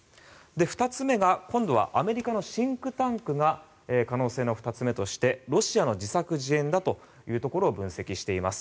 ２つ目が、今度はアメリカのシンクタンクが可能性の２つ目として、ロシアの自作自演だというところを分析しています。